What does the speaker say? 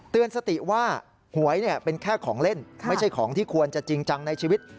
สติว่าหวยเป็นแค่ของเล่นไม่ใช่ของที่ควรจะจริงจังในชีวิต